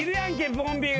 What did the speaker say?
ボンビーが。